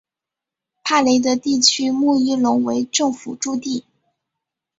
帕雷德地区穆伊隆为政府驻地。